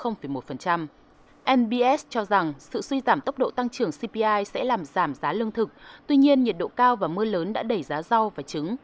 mbs cho rằng sự suy giảm tốc độ tăng trưởng cpi sẽ làm giảm giá lương thực tuy nhiên nhiệt độ cao và mưa lớn đã đẩy giá rau và trứng